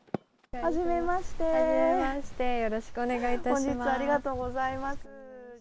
初めまして、よろしくお願いいたします。